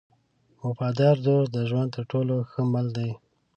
وفادار دوست د ژوند تر ټولو ښه مل دی.